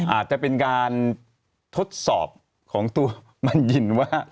อาจจะเป็นการทดสอบของตัวมันยินว่า